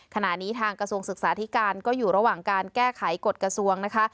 ขณะนี้ทางกระทรวงศึกษาธิการก็อยู่ระหว่างการแก้ไขกฎกระทรวงนะคะ